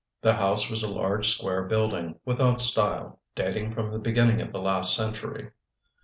The house was a large square building, without style, dating from the beginning of the last century.